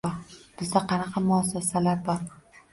Bizda qanaqa muassasalar bor?